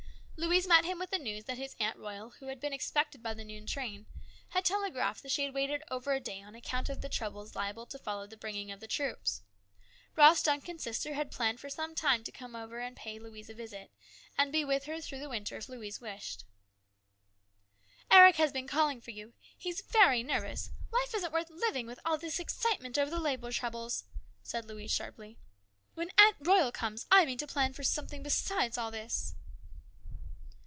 Louise met him with the news that his Aunt Royal, who had been expected by the noon train, had telegraphed that she had waited over a day on 124 HIS BROTHER'S KEEPER. account of the troubles liable to follow the bringing of the troops. Ross Duncan's sister had planned for some time to come and pay Louise a visit, and be with her through the winter if Louise wished. "Eric has been calling for you. He is very nervous. Life isn't worth living with all this excitement over these labour troubles !" said Louise sharply. " When Aunt Royal comes, I mean to plan for something besides all this."